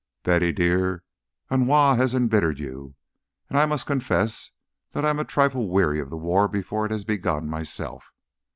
"Betty dear, ennui has embittered you, and I must confess that I am a trifle weary of the war before it has begun, myself.